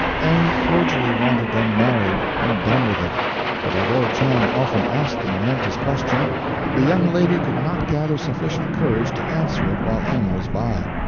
Eng cordially wanted them married, and done with it; but although Chang often asked the momentous question, the young lady could not gather sufficient courage to answer it while Eng was by.